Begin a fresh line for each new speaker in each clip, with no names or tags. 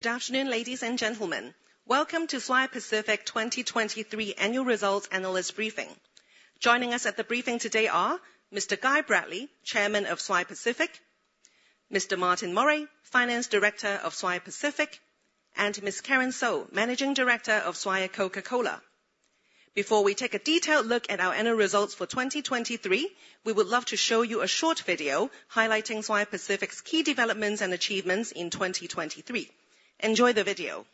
Good afternoon, ladies and gentlemen. Welcome to Swire Pacific 2023 Annual Results Analyst Briefing. Joining us at the briefing today are Mr. Guy Bradley, Chairman of Swire Pacific; Mr. Martin Murray, Finance Director of Swire Pacific; and Ms. Karen So, Managing Director of Swire Coca-Cola. Before we take a detailed look at our annual results for 2023, we would love to show you a short video highlighting Swire Pacific's key developments and achievements in 2023. Enjoy the video.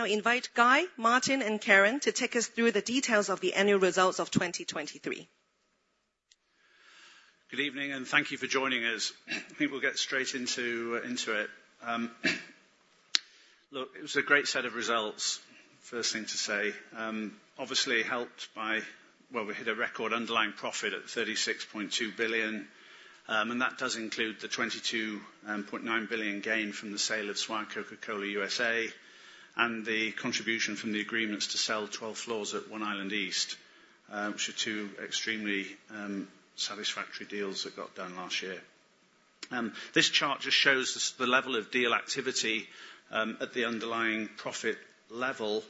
May we now invite Guy, Martin, and Karen to take us through the details of the annual results of 2023.
Good evening, and thank you for joining us. I think we'll get straight into it. Look, it was a great set of results, first thing to say, obviously helped by, well, we hit a record underlying profit at 36.2 billion, and that does include the 22.9 billion gain from the sale of Swire Coca-Cola USA and the contribution from the agreements to sell 12 floors at One Island East, which are two extremely satisfactory deals that got done last year. This chart just shows the level of deal activity at the underlying profit level.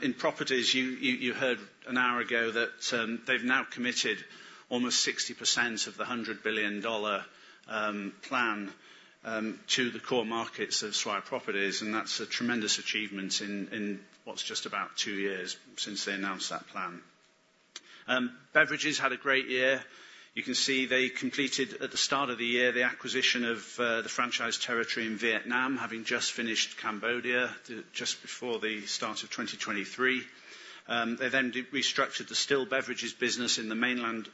In properties, you heard an hour ago that they've now committed almost 60% of the 100 billion dollar plan to the core markets of Swire Properties, and that's a tremendous achievement in what's just about two years since they announced that plan. Beverages had a great year. You can see they completed, at the start of the year, the acquisition of the franchise territory in Vietnam, having just finished Cambodia just before the start of 2023. They then restructured the still beverages business in the mainland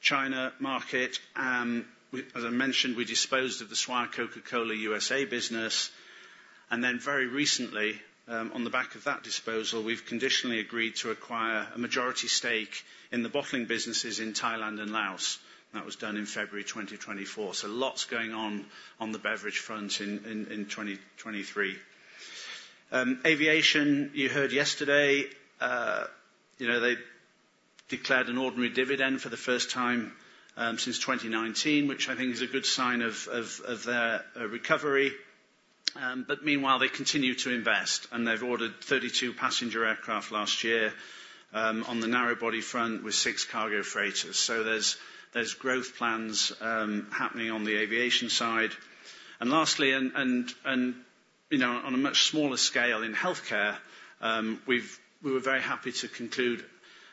China market. As I mentioned, we disposed of the Swire Coca-Cola USA business. And then very recently, on the back of that disposal, we've conditionally agreed to acquire a majority stake in the bottling businesses in Thailand and Laos. That was done in February 2024. So lots going on on the beverage front in 2023. Aviation, you heard yesterday, they declared an ordinary dividend for the first time since 2019, which I think is a good sign of their recovery. But meanwhile, they continue to invest, and they've ordered 32 passenger aircraft last year on the narrowbody front with 6 cargo freighters. So there's growth plans happening on the aviation side. And lastly, on a much smaller scale, in healthcare, we were very happy to conclude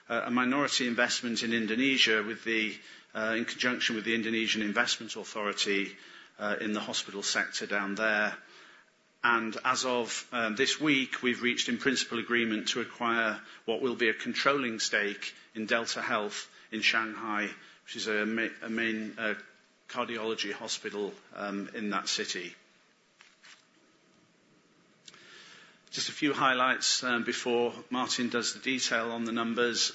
a minority investment in Indonesia in conjunction with the Indonesian Investment Authority in the hospital sector down there. As of this week, we've reached in principle agreement to acquire what will be a controlling stake in DeltaHealth in Shanghai, which is a main cardiology hospital in that city. Just a few highlights before Martin does the detail on the numbers.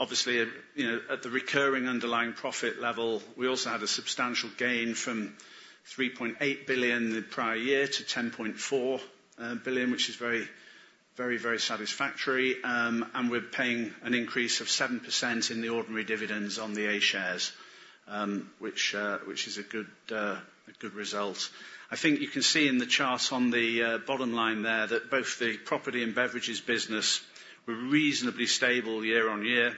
Obviously, at the recurring underlying profit level, we also had a substantial gain from 3.8 billion the prior year to 10.4 billion, which is very, very, very satisfactory. We're paying an increase of 7% in the ordinary dividends on the A-shares, which is a good result. I think you can see in the chart on the bottom line there that both the property and beverages business were reasonably stable year on year.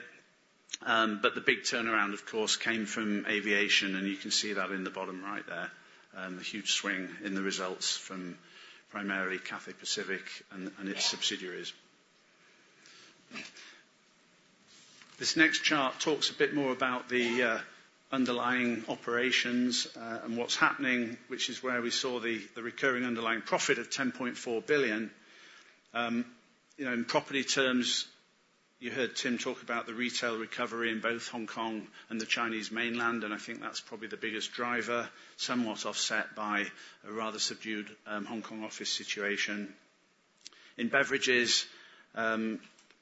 But the big turnaround, of course, came from aviation, and you can see that in the bottom right there, the huge swing in the results from primarily Cathay Pacific and its subsidiaries. This next chart talks a bit more about the underlying operations and what's happening, which is where we saw the recurring underlying profit of 10.4 billion. In property terms, you heard Tim talk about the retail recovery in both Hong Kong and the Chinese mainland, and I think that's probably the biggest driver, somewhat offset by a rather subdued Hong Kong office situation. In beverages,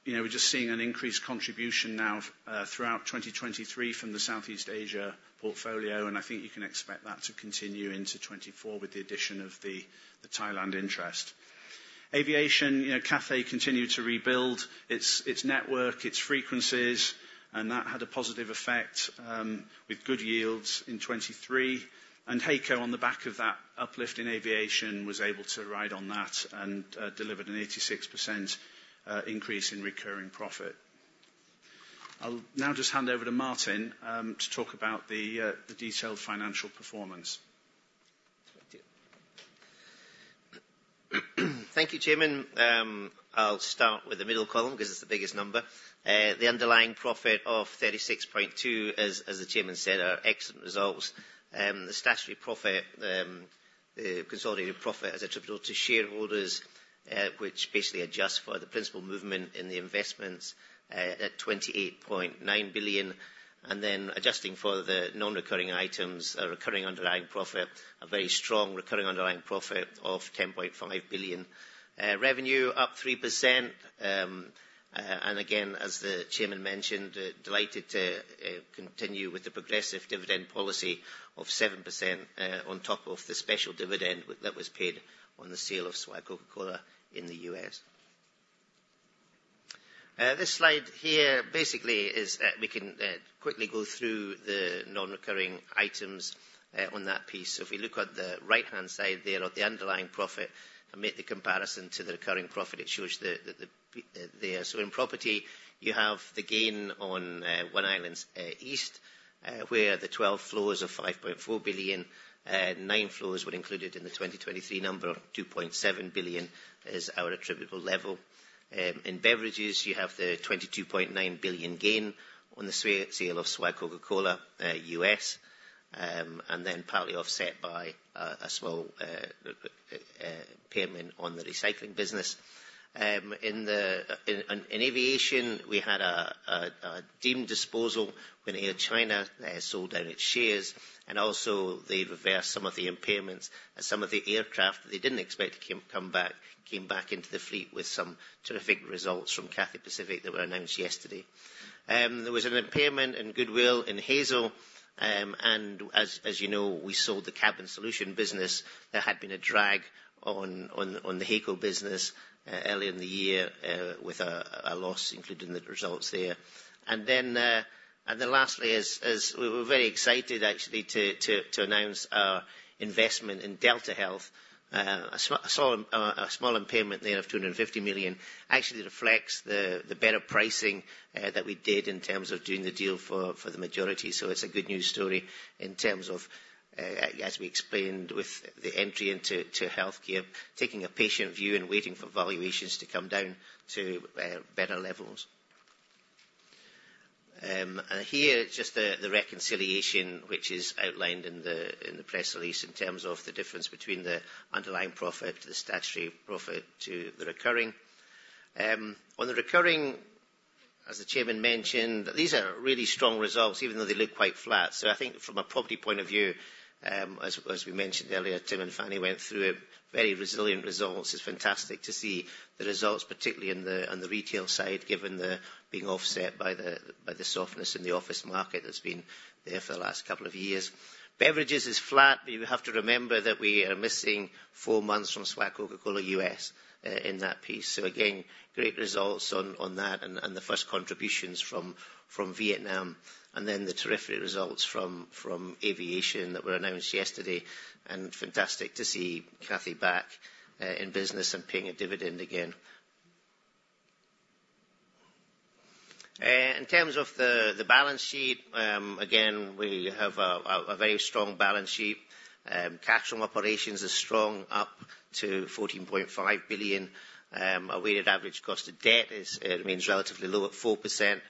we're just seeing an increased contribution now throughout 2023 from the Southeast Asia portfolio, and I think you can expect that to continue into 2024 with the addition of the Thailand interest. Aviation, Cathay continued to rebuild its network, its frequencies, and that had a positive effect with good yields in 2023. And HAECO, on the back of that uplift in aviation, was able to ride on that and delivered an 86% increase in recurring profit. I'll now just hand over to Martin to talk about the detailed financial performance.
Thank you, Chairman. I'll start with the middle column because it's the biggest number. The underlying profit of 36.2 billion, as the Chairman said, are excellent results. The statutory profit, the consolidated profit attributable to shareholders, which basically adjusts for the principal movement in the investments at 28.9 billion, and then adjusting for the non-recurring items, a recurring underlying profit, a very strong recurring underlying profit of 10.5 billion. Revenue up 3%. Again, as the Chairman mentioned, delighted to continue with the progressive dividend policy of 7% on top of the special dividend that was paid on the sale of Swire Coca-Cola in the U.S. This slide here basically is we can quickly go through the non-recurring items on that piece. So if we look at the right-hand side there of the underlying profit and make the comparison to the recurring profit, it shows that there. So in property, you have the gain on One Island East, where the 12 floors of 5.4 billion, nine floors were included in the 2023 number of 2.7 billion is our attributable level. In beverages, you have the 22.9 billion gain on the sale of Swire Coca-Cola USA, and then partly offset by a small payment on the recycling business. In aviation, we had a deemed disposal when Air China sold down its shares, and also they reversed some of the impairments as some of the aircraft that they didn't expect to come back came back into the fleet with some terrific results from Cathay Pacific that were announced yesterday. There was an impairment in goodwill in HAECO. And as you know, we sold the cabin solution business. There had been a drag on the HAECO business earlier in the year with a loss included in the results there. Then lastly, we're very excited, actually, to announce our investment in DeltaHealth. I saw a small impairment there of 250 million actually reflects the better pricing that we did in terms of doing the deal for the majority. So it's a good news story in terms of, as we explained with the entry into healthcare, taking a patient view and waiting for valuations to come down to better levels. And here, just the reconciliation, which is outlined in the press release in terms of the difference between the underlying profit, the statutory profit, to the recurring. On the recurring, as the Chairman mentioned, these are really strong results, even though they look quite flat. So I think from a property point of view, as we mentioned earlier, Tim and Fanny went through it, very resilient results. It's fantastic to see the results, particularly on the retail side, given being offset by the softness in the office market that's been there for the last couple of years. Beverages is flat, but you have to remember that we are missing four months from Swire Coca-Cola U.S. in that piece. So again, great results on that and the first contributions from Vietnam, and then the terrific results from aviation that were announced yesterday. Fantastic to see Cathay back in business and paying a dividend again. In terms of the balance sheet, again, we have a very strong balance sheet. Cash-flow operations are strong, up to 14.5 billion. Our weighted average cost of debt remains relatively low at 4%.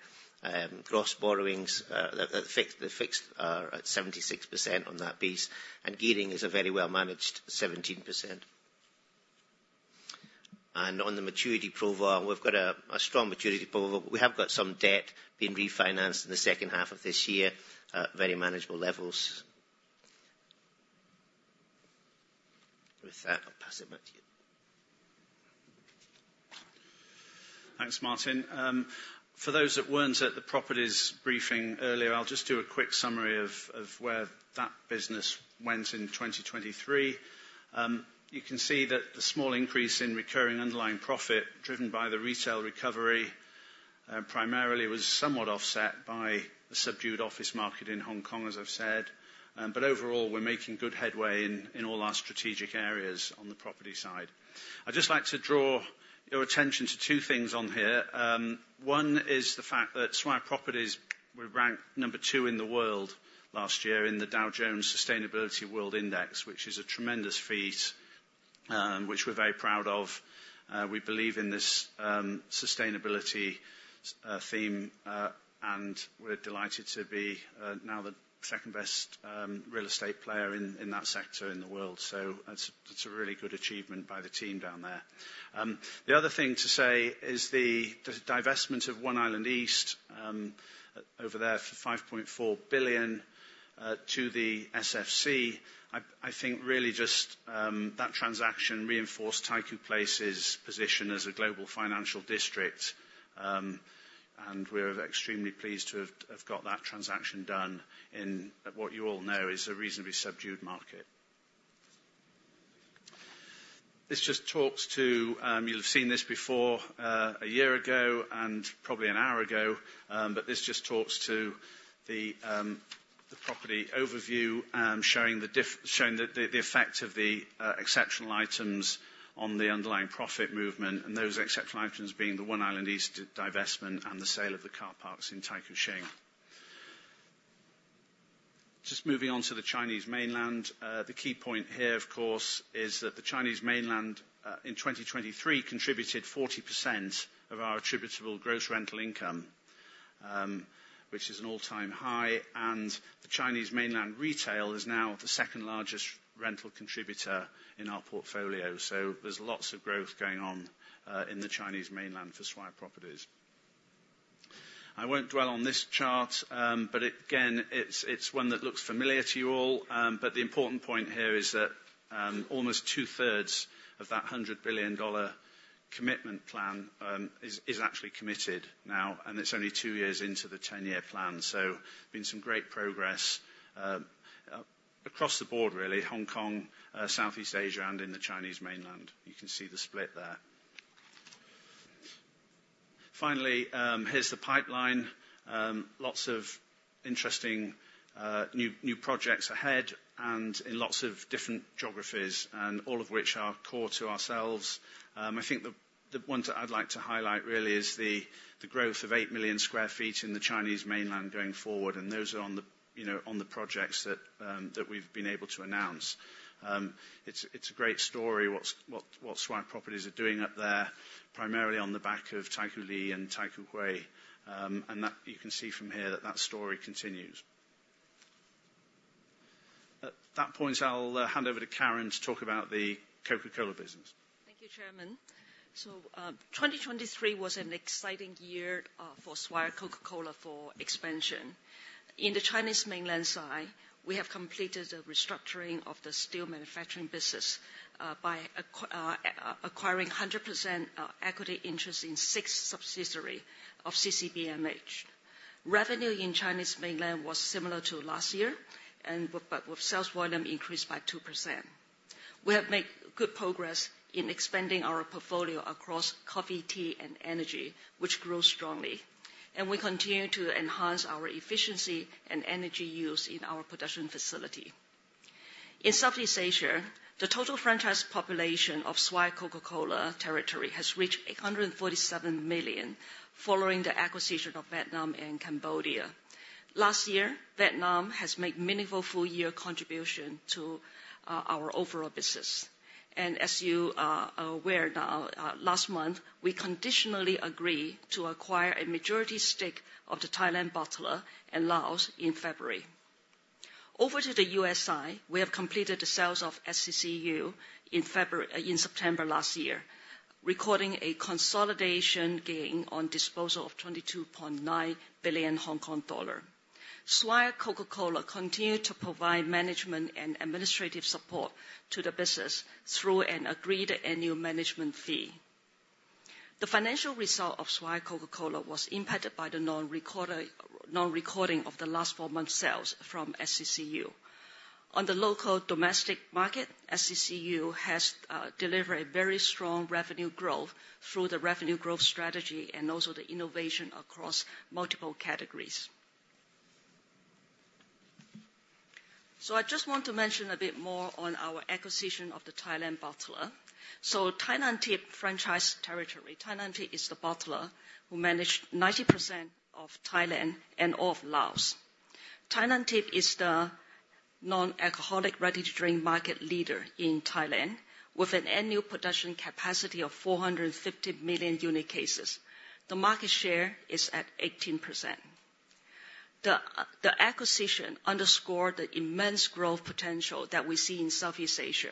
Gross borrowings, the fixed are at 76% on that piece, and gearing is a very well-managed 17%. On the maturity profile, we've got a strong maturity profile. We have got some debt being refinanced in the second half of this year. Very manageable levels. With that, I'll pass it back to you.
Thanks, Martin. For those that weren't at the properties briefing earlier, I'll just do a quick summary of where that business went in 2023. You can see that the small increase in recurring underlying profit driven by the retail recovery primarily was somewhat offset by the subdued office market in Hong Kong, as I've said. But overall, we're making good headway in all our strategic areas on the property side. I'd just like to draw your attention to two things on here. One is the fact that Swire Properties were ranked number two in the world last year in the Dow Jones Sustainability World Index, which is a tremendous feat, which we're very proud of. We believe in this sustainability theme, and we're delighted to be now the second-best real estate player in that sector in the world. So it's a really good achievement by the team down there. The other thing to say is the divestment of One Island East over there for 5.4 billion to the SFC. I think really just that transaction reinforced Taikoo Place's position as a global financial district. And we're extremely pleased to have got that transaction done in what you all know is a reasonably subdued market. This just talks to—you'll have seen this before a year ago and probably an hour ago—but this just talks to the property overview showing the effect of the exceptional items on the underlying profit movement, and those exceptional items being the One Island East divestment and the sale of the car parks in Taikoo Shing. Just moving on to the Chinese mainland, the key point here, of course, is that the Chinese mainland in 2023 contributed 40% of our attributable gross rental income, which is an all-time high. The Chinese Mainland retail is now the second-largest rental contributor in our portfolio. So there's lots of growth going on in the Chinese Mainland for Swire Properties. I won't dwell on this chart, but again, it's one that looks familiar to you all. But the important point here is that almost two-thirds of that 100 billion commitment plan is actually committed now, and it's only two years into the 10-year plan. So there's been some great progress across the board, really, Hong Kong, Southeast Asia, and in the Chinese Mainland. You can see the split there. Finally, here's the pipeline. Lots of interesting new projects ahead and in lots of different geographies, and all of which are core to ourselves. I think the one that I'd like to highlight, really, is the growth of 8 million sq ft in the Chinese Mainland going forward. Those are on the projects that we've been able to announce. It's a great story what Swire Properties are doing up there, primarily on the back of Taikoo Li and Taikoo Hui. You can see from here that that story continues. At that point, I'll hand over to Karen to talk about the Coca-Cola business.
Thank you, Chairman. So 2023 was an exciting year for Swire Coca-Cola for expansion. In the Chinese Mainland side, we have completed the restructuring of the still manufacturing business by acquiring 100% equity interest in six subsidiaries of CCBMH. Revenue in Chinese Mainland was similar to last year, but with sales volume increased by 2%. We have made good progress in expanding our portfolio across coffee, tea, and energy, which grew strongly. And we continue to enhance our efficiency and energy use in our production facility. In Southeast Asia, the total franchise population of Swire Coca-Cola territory has reached 847 million following the acquisition of Vietnam and Cambodia. Last year, Vietnam has made a meaningful full-year contribution to our overall business. And as you are aware now, last month, we conditionally agreed to acquire a majority stake of the Thailand bottler and Laos in February. Over to the US side, we have completed the sales of SCCU in September last year, recording a consolidation gain on disposal of 22.9 billion Hong Kong dollar. Swire Coca-Cola continued to provide management and administrative support to the business through an agreed annual management fee. The financial result of Swire Coca-Cola was impacted by the non-recording of the last four months' sales from SCCU. On the local domestic market, SCCU has delivered very strong revenue growth through the revenue growth strategy and also the innovation across multiple categories. So I just want to mention a bit more on our acquisition of the Thailand bottler. So ThaiNamthip Franchise Territory, ThaiNamthip is the bottler who managed 90% of Thailand and all of Laos. ThaiNamthip is the non-alcoholic ready-to-drink market leader in Thailand with an annual production capacity of 450 million unit cases. The market share is at 18%. The acquisition underscored the immense growth potential that we see in Southeast Asia,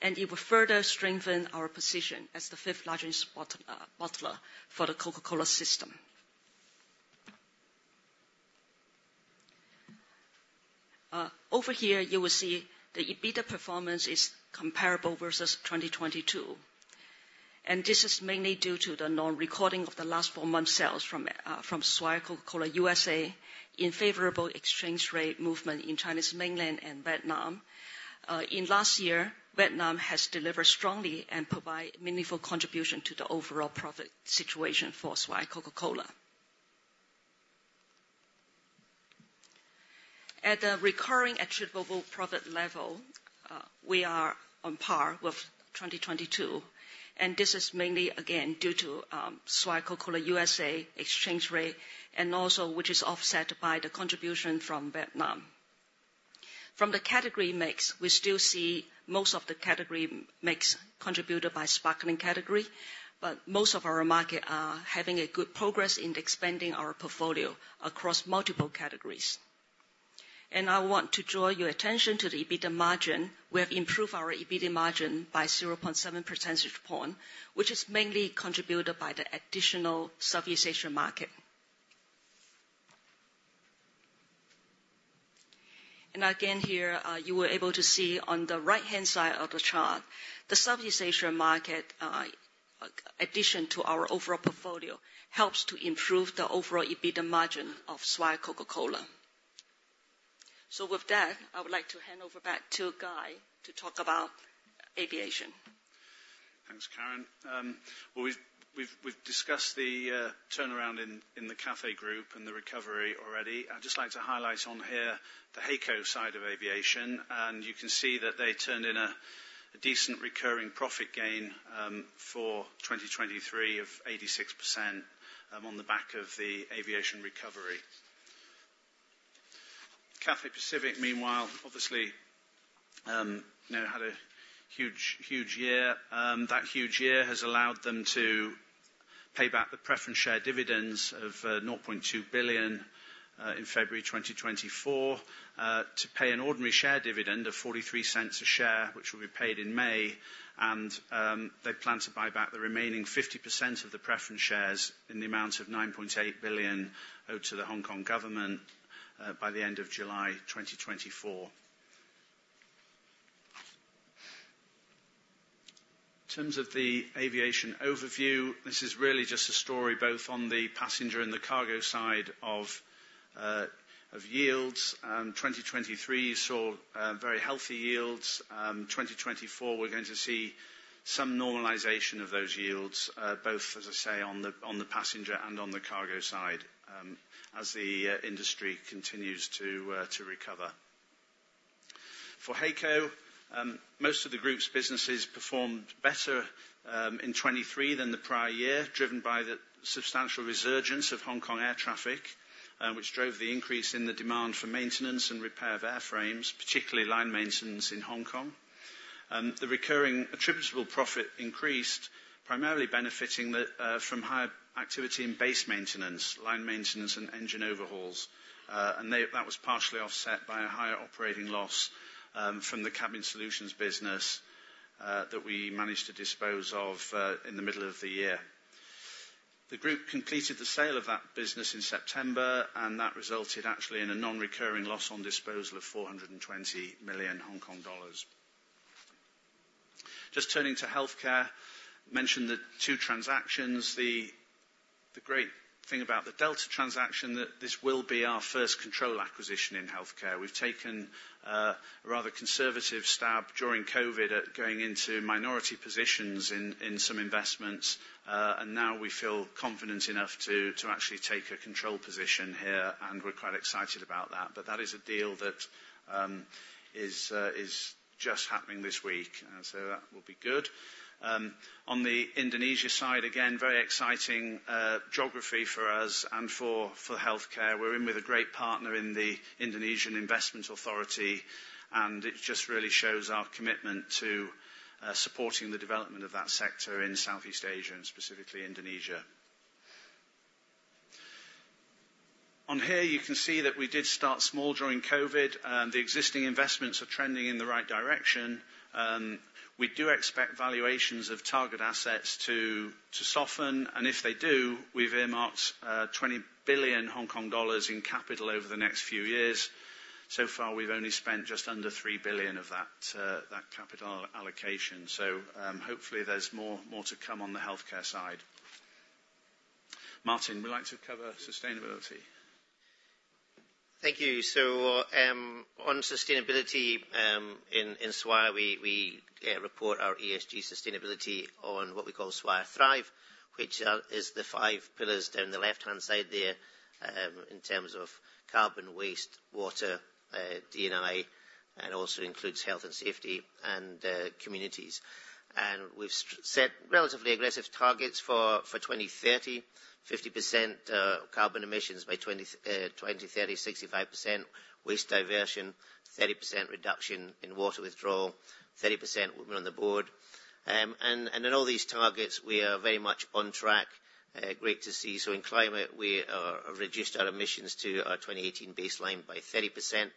and it would further strengthen our position as the 5th largest bottler for the Coca-Cola system. Over here, you will see the EBITDA performance is comparable versus 2022. This is mainly due to the non-recurring of the last 4 months' sales from Swire Coca-Cola USA and favorable exchange rate movement in Chinese Mainland and Vietnam. In last year, Vietnam has delivered strongly and provided a meaningful contribution to the overall profit situation for Swire Coca-Cola. At the recurring attributable profit level, we are on par with 2022. This is mainly, again, due to Swire Coca-Cola USA exchange rate, which is offset by the contribution from Vietnam. From the category mix, we still see most of the category mix contributed by sparkling category, but most of our market are having good progress in expanding our portfolio across multiple categories. I want to draw your attention to the EBITDA margin. We have improved our EBITDA margin by 0.7 percentage point, which is mainly contributed by the additional Southeast Asia market. Again, here, you were able to see on the right-hand side of the chart, the Southeast Asia market, in addition to our overall portfolio, helps to improve the overall EBITDA margin of Swire Coca-Cola. With that, I would like to hand over back to Guy to talk about aviation.
Thanks, Karen. Well, we've discussed the turnaround in the Cathay group and the recovery already. I'd just like to highlight on here the HAECO side of aviation. You can see that they turned in a decent recurring profit gain for 2023 of 86% on the back of the aviation recovery. Cathay Pacific, meanwhile, obviously, had a huge year. That huge year has allowed them to pay back the preference share dividends of 0.2 billion in February 2024, to pay an ordinary share dividend of 0.43 a share, which will be paid in May. And they plan to buy back the remaining 50% of the preference shares in the amount of 9.8 billion owed to the Hong Kong government by the end of July 2024. In terms of the aviation overview, this is really just a story both on the passenger and the cargo side of yields. 2023 saw very healthy yields. 2024, we're going to see some normalization of those yields, both, as I say, on the passenger and on the cargo side as the industry continues to recover. For HAECO, most of the group's businesses performed better in 2023 than the prior year, driven by the substantial resurgence of Hong Kong air traffic, which drove the increase in the demand for maintenance and repair of airframes, particularly line maintenance in Hong Kong. The recurring attributable profit increased, primarily benefiting from higher activity in base maintenance, line maintenance, and engine overhauls. And that was partially offset by a higher operating loss from the cabin solutions business that we managed to dispose of in the middle of the year. The group completed the sale of that business in September, and that resulted actually in a non-recurring loss on disposal of 420 million Hong Kong dollars. Just turning to healthcare, I mentioned the two transactions. The great thing about the DeltaHealth transaction, this will be our first control acquisition in healthcare. We've taken a rather conservative stab during COVID at going into minority positions in some investments. And now we feel confident enough to actually take a control position here, and we're quite excited about that. But that is a deal that is just happening this week, so that will be good. On the Indonesia side, again, very exciting geography for us and for healthcare. We're in with a great partner in the Indonesia Investment Authority, and it just really shows our commitment to supporting the development of that sector in Southeast Asia, and specifically Indonesia. On here, you can see that we did start small during COVID. The existing investments are trending in the right direction. We do expect valuations of target assets to soften. If they do, we've earmarked 20 billion Hong Kong dollars in capital over the next few years. So far, we've only spent just under 3 billion of that capital allocation. So hopefully, there's more to come on the healthcare side. Martin, we'd like to cover sustainability.
Thank you. So on sustainability in Swire, we report our ESG sustainability on what we call Swire Thrive, which is the five pillars down the left-hand side there in terms of carbon, waste, water, D&I, and also includes health and safety and communities. And we've set relatively aggressive targets for 2030: 50% carbon emissions by 2030, 65% waste diversion, 30% reduction in water withdrawal, 30% women on the board. And in all these targets, we are very much on track. Great to see. So in climate, we have reduced our emissions to our 2018 baseline by 30%,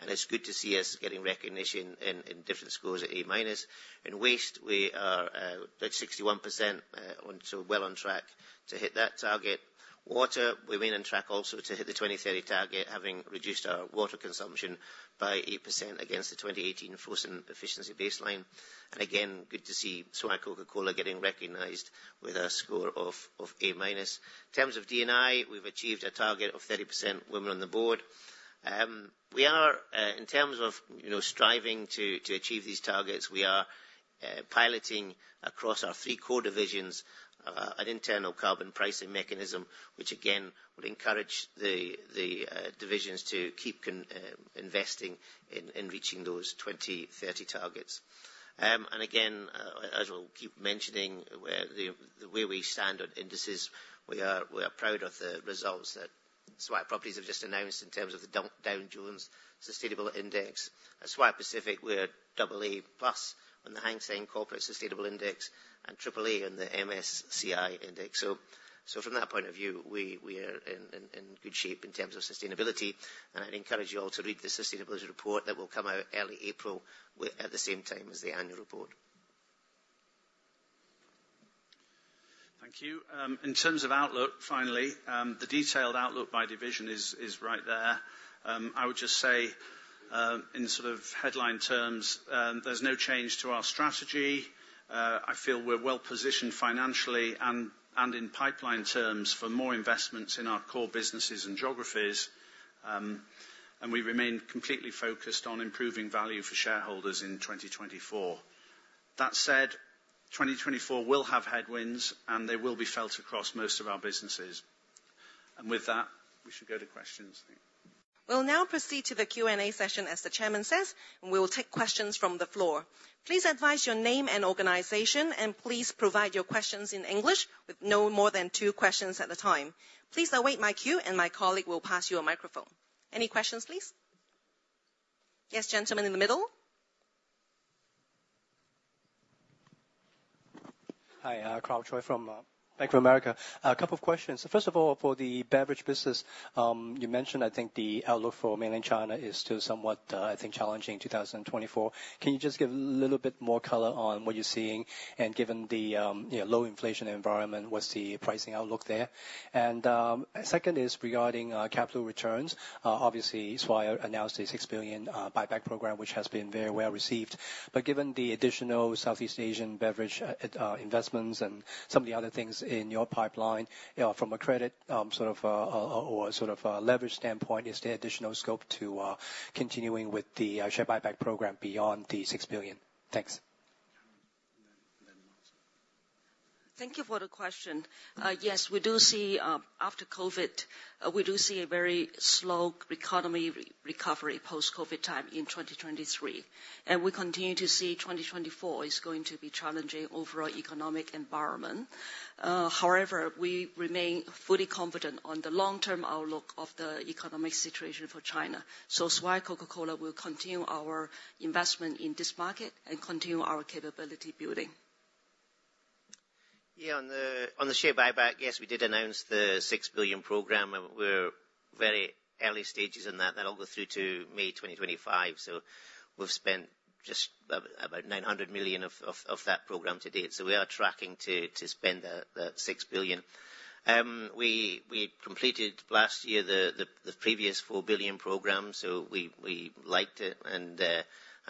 and it's good to see us getting recognition in different scores at A-minus. In waste, we are at 61%, so well on track to hit that target. Water, we're mainly on track also to hit the 2030 target, having reduced our water consumption by 8% against the 2018 frozen efficiency baseline. Again, good to see Swire Coca-Cola getting recognized with a score of A-minus. In terms of D&I, we've achieved a target of 30% women on the board. In terms of striving to achieve these targets, we are piloting across our three core divisions an internal carbon pricing mechanism, which again would encourage the divisions to keep investing in reaching those 2030 targets. Again, as we'll keep mentioning, the way we stand on indices, we are proud of the results that Swire Properties have just announced in terms of the Dow Jones Sustainable Index. At Swire Pacific, we're AA+ on the Hang Seng Corporate Sustainable Index and AAA on the MSCI Index. So from that point of view, we are in good shape in terms of sustainability. I'd encourage you all to read the sustainability report that will come out early April at the same time as the annual report.
Thank you. In terms of outlook, finally, the detailed outlook by division is right there. I would just say in sort of headline terms, there's no change to our strategy. I feel we're well-positioned financially and in pipeline terms for more investments in our core businesses and geographies. We remain completely focused on improving value for shareholders in 2024. That said, 2024 will have headwinds, and they will be felt across most of our businesses. With that, we should go to questions. Thank you.
We'll now proceed to the Q&A session, as the Chairman says, and we will take questions from the floor. Please advise your name and organisation, and please provide your questions in English with no more than two questions at a time. Please await my cue, and my colleague will pass you a microphone. Any questions, please? Yes, gentleman in the middle?
Hi, Karl Choi from Bank of America. A couple of questions. So first of all, for the beverage business, you mentioned, I think, the outlook for mainland China is still somewhat, I think, challenging in 2024. Can you just give a little bit more color on what you're seeing? And given the low inflation environment, what's the pricing outlook there? And second is regarding capital returns. Obviously, Swire announced a 6 billion buyback program, which has been very well received. But given the additional Southeast Asian beverage investments and some of the other things in your pipeline, from a credit sort of or sort of leverage standpoint, is there additional scope to continuing with the share buyback program beyond the 6 billion? Thanks.
Thank you for the question. Yes, we do see after COVID, we do see a very slow economy recovery post-COVID time in 2023. We continue to see 2024 is going to be challenging overall economic environment. However, we remain fully confident on the long-term outlook of the economic situation for China. Swire Coca-Cola will continue our investment in this market and continue our capability building.
Yeah, on the share buyback, yes, we did announce the 6 billion program. We're very early stages in that. That'll go through to May 2025. So we've spent just about 900 million of that program to date. So we are tracking to spend the 6 billion. We completed last year the previous 4 billion program, so we liked it, and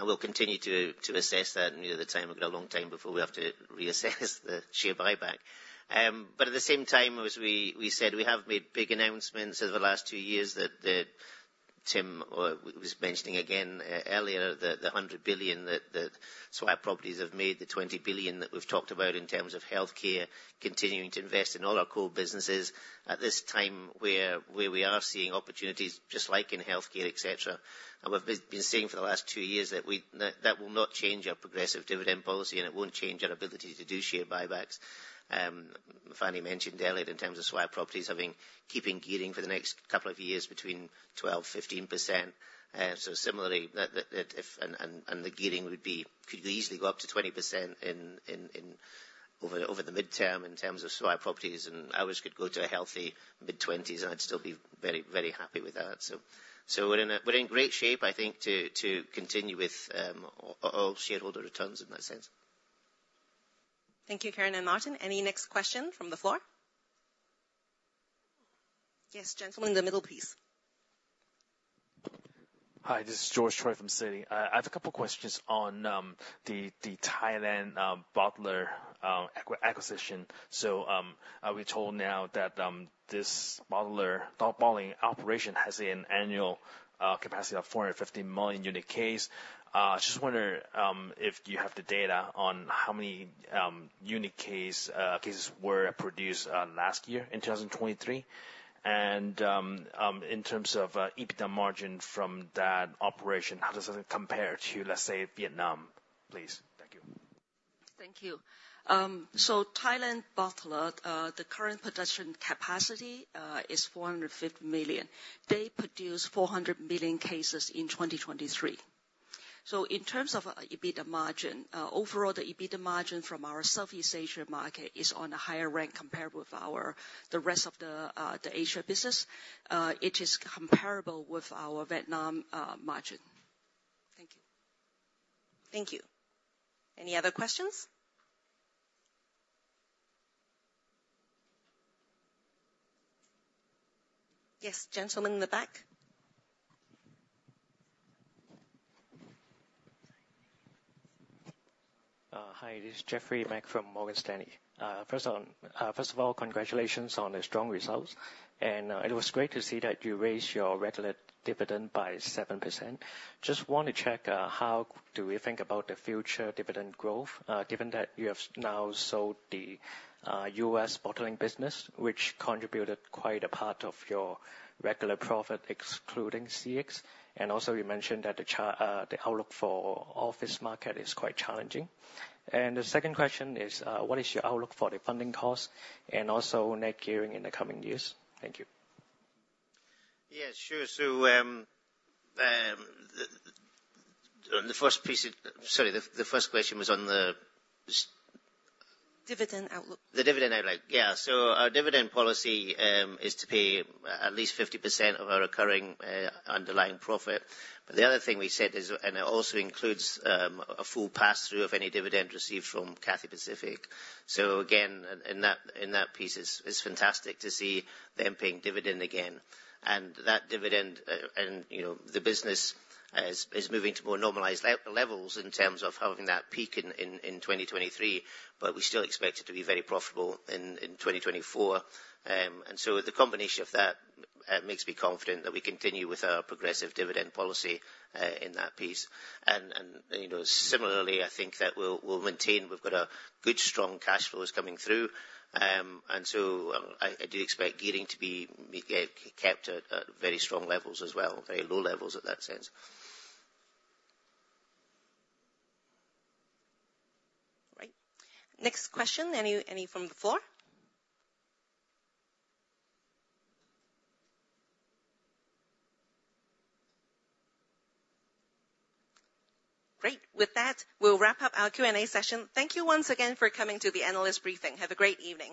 we'll continue to assess that near the time. We've got a long time before we have to reassess the share buyback. But at the same time, as we said, we have made big announcements over the last two years that Tim was mentioning again earlier, the 100 billion that Swire Properties have made, the 20 billion that we've talked about in terms of healthcare, continuing to invest in all our core businesses. At this time, where we are seeing opportunities just like in healthcare, etc., and we've been seeing for the last two years that that will not change our progressive dividend policy, and it won't change our ability to do share buybacks. Fanny mentioned earlier in terms of Swire Properties keeping gearing for the next couple of years between 12%, 15%. So similarly, and the gearing could easily go up to 20% over the midterm in terms of Swire Properties, and ours could go to a healthy mid-20s, and I'd still be very, very happy with that. So we're in great shape, I think, to continue with all shareholder returns in that sense.
Thank you, Karen and Martin. Any next question from the floor? Yes, gentleman in the middle, please.
Hi, this is George Choi from Citi. I have a couple of questions on the Thailand bottler acquisition. So we're told now that this bottling operation has an annual capacity of 450 million unit cases. I just wonder if you have the data on how many unit cases were produced last year in 2023. And in terms of EBITDA margin from that operation, how does that compare to, let's say, Vietnam? Please. Thank you.
Thank you. So Thailand bottler, the current production capacity is 450 million. They produce 400 million cases in 2023. So in terms of EBITDA margin, overall, the EBITDA margin from our Southeast Asia market is on a higher rank compared with the rest of the Asia business. It is comparable with our Vietnam margin. Thank you.
Thank you. Any other questions? Yes, gentleman in the back.
Hi, this is Jeffrey Mak from Morgan Stanley. First of all, congratulations on the strong results. It was great to see that you raised your regular dividend by 7%. Just want to check, how do we think about the future dividend growth, given that you have now sold the U.S. bottling business, which contributed quite a part of your regular profit, excluding CX? Also, you mentioned that the outlook for the office market is quite challenging. The second question is, what is your outlook for the funding costs and also net gearing in the coming years? Thank you.
Yeah, sure. So, the first piece, sorry, the first question was on the—
Dividend outlook.
The dividend outlook, yeah. So our dividend policy is to pay at least 50% of our recurring underlying profit. But the other thing we said is, and it also includes a full pass-through of any dividend received from Cathay Pacific. So again, in that piece, it's fantastic to see them paying dividend again. And that dividend and the business is moving to more normalized levels in terms of having that peak in 2023, but we still expect it to be very profitable in 2024. And so the combination of that makes me confident that we continue with our progressive dividend policy in that piece. And similarly, I think that we'll maintain we've got a good, strong cash flows coming through. And so I do expect gearing to be kept at very strong levels as well, very low levels in that sense.
Great. Next question, any from the floor? Great. With that, we'll wrap up our Q&A session. Thank you once again for coming to the analyst briefing. Have a great evening.